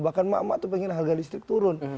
bahkan mak mak itu pengen harga listrik turun